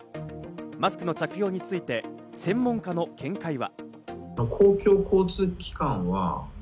マスクの着用について専門家の見解は。